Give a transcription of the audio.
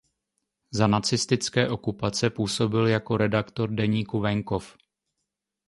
Za nacistické okupace působil jako redaktor deníku "Venkov".